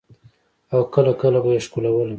او کله کله به يې ښکلولم.